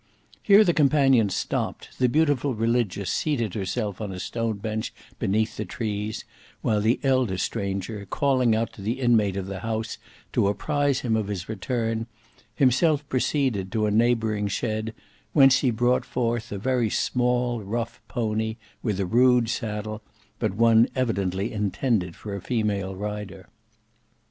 Here the companions stopped, the beautiful Religious seated herself on a stone bench beneath the trees, while the elder stranger calling out to the inmate of the house to apprise him of his return, himself proceeded to a neighbouring shed, whence he brought forth a very small rough pony with a rude saddle, but one evidently intended for a female rider.